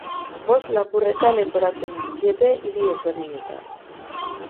Bost lapurreta leporatzen dizkiete, hiri ezberdinetan.